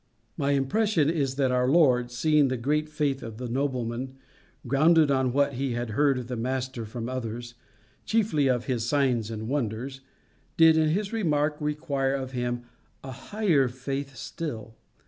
My impression is, that our Lord, seeing the great faith of the nobleman, grounded on what he had heard of the Master from others, chiefly of his signs and wonders, did in this remark require of him a higher faith still.